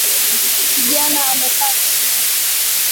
Kijana amekaa chini